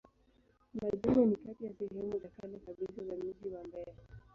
Majengo ni kati ya sehemu za kale kabisa za mji wa Mbeya.